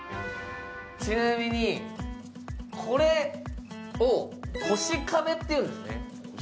ちなみに、これ腰壁っていうんですね。